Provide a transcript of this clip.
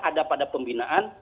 ada pada pembinaan